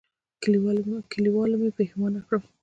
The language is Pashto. کلیوالو مې پښېمانه کړم.